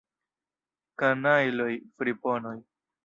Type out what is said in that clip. Kanajloj, friponoj!